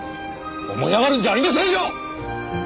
思い上がるんじゃありませんよ！